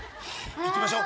行きましょう。